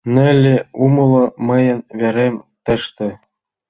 «Нелли, умыло, мыйын верем тыште».